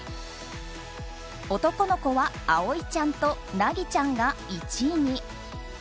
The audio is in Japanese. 男の子は蒼ちゃんと凪ちゃんが１位に。